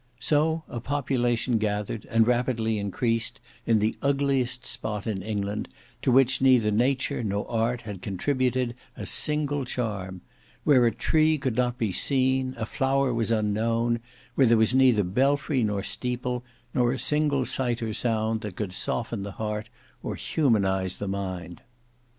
So a population gathered, and rapidly increased, in the ugliest spot in England, to which neither Nature nor art had contributed a single charm; where a tree could not be seen, a flower was unknown, where there was neither belfry nor steeple, nor a single sight or sound that could soften the heart or humanise the mind.